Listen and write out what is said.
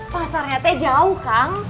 pasarnya teh jauh kang